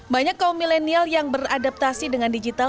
banyak kaum milenial yang beradaptasi dengan digital